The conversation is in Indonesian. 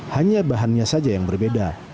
hanya bahannya saja yang berbeda